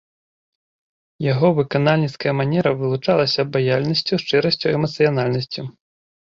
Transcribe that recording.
Яго выканальніцкая манера вылучалася абаяльнасцю, шчырасцю, эмацыянальнасцю.